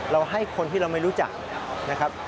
ให้คนที่เราไม่รู้จักนะครับ